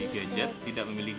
saya tidak tahu